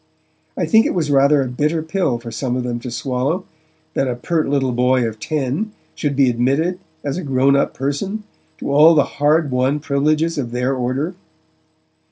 I think it was rather a bitter pill for some of them to swallow that a pert little boy of ten should be admitted, as a grown up person, to all the hard won privileges of their order.